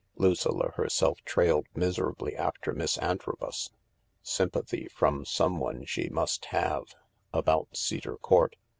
Lucilla herself trailed miserably after Miss Antrobus. Sympathy from someone she must have about Cedar Court.